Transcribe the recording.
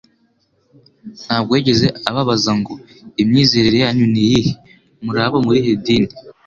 ntabwo yigeze ababaza ngo : imyizerere yanyu ni iyihe? Muri abo mu rihe dini?